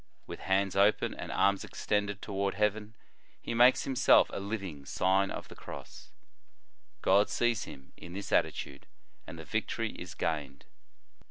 With hands open, and arms extended toward heaven, he makes him self a living Sign of the Cross. God sees him in this attitude, and the victory is gained.